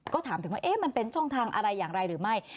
ก็ถามถึงว่ามันเป็นช่องทางอะไรอย่างไรหรือไม่